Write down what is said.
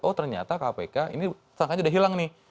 oh ternyata kpk ini tersangkanya sudah hilang nih